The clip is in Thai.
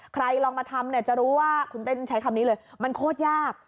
ลองมาทำเนี่ยจะรู้ว่าคุณเต้นใช้คำนี้เลยมันโคตรยาก